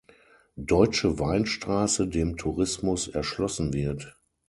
Deutsche Weinstraße dem Tourismus erschlossen wird.